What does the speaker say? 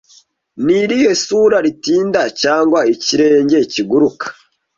Ni irihe sura ritinda cyangwa ikirenge kiguruka?